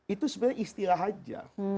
itu sebenarnya istilah haja